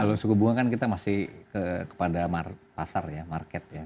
kalau suku bunga kan kita masih kepada pasar ya market ya